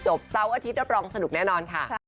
จบเต้าอาทิตย์ระปรองสนุกแน่นอนค่ะ